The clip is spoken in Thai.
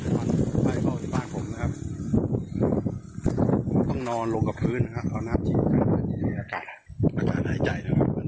รถลาขาดของต้องนอนลงกับพื้นนะครับ